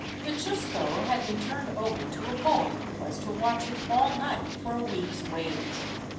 The chusco had been turned over to a boy who was to watch it all night for a week's wage.